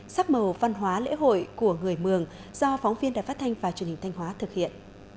sắc màu văn hóa lễ hội của người mường do phóng viên đài phát thanh và truyền hình thanh hóa thực hiện